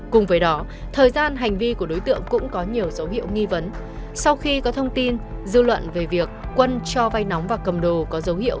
cùng với đó thời gian hành vi của đối tượng cũng có nhiều dấu hiệu nghi vấn sau khi có thông tin dư luận về việc quân cho vay nóng và cầm đồ có dấu hiệu